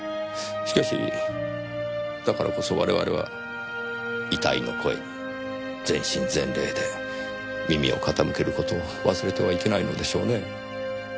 しかしだからこそ我々は遺体の声に全身全霊で耳を傾ける事を忘れてはいけないのでしょうね。